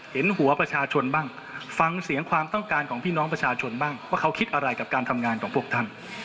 เห็นหัวประชาชนบ้างฟังเสียงความต้องการของพี่น้องประชาชนบ้างว่าเขาคิดอะไรกับการทำงานของพวกท่าน